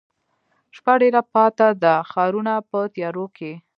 شپه ډېره پاته ده ښارونه په تیاروکې،